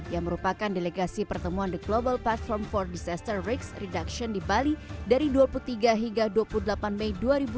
yang merupakan delegasi pertemuan the global platform for disaster risk reduction di bali dari dua puluh tiga hingga dua puluh delapan mei dua ribu dua puluh